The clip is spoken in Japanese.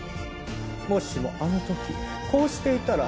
もしもあの時こうしていたら。